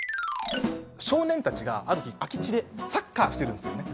少年たちがある日空き地でサッカーしてるんですよね。